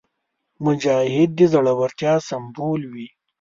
مجاهد د زړورتیا سمبول وي.